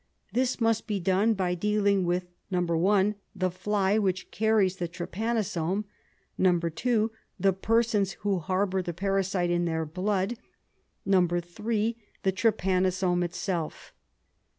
This must be done by dealing with (1) the fly which carries the trypanosome ; (2) the persons who harbour the parasite in their blood ; (3) the trypanosome itself.